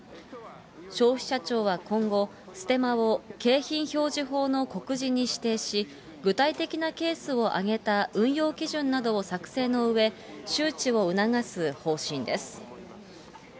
消費者庁は今後、ステマを景品表示法の告示に指定し、具体的なケースを挙げた運用基準などを作成のうえ、周知を促す方針です。